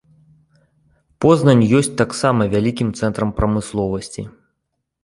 Познань ёсць таксама вялікім цэнтрам прамысловасці.